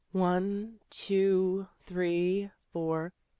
" One, two, three, four."